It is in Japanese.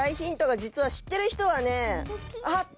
実は知ってる人はね「あっ！」って。